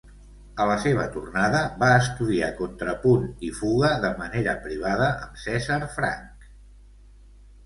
A la seva tornada, va estudiar contrapunt i fuga de manera privada amb Cesar Franck.